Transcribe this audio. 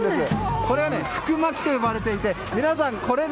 これは福まきと呼ばれていて皆さん、これで。